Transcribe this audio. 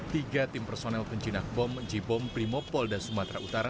tiga tim personel penjinak bom j bom primopolda sumatera utara